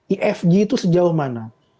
ifg itu sejauh mana